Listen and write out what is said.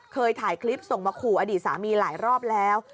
ถ่ายคลิปส่งมาขู่อดีตสามีหลายรอบแล้ว